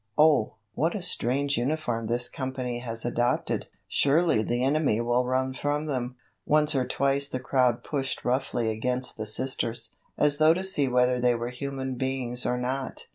"Oh, what a strange uniform this company has adopted." "Surely the enemy will run from them." Once or twice the crowd pushed roughly against the Sisters, as though to see whether they were human beings or not.